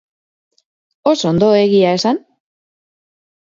Oso ondo, egia esan.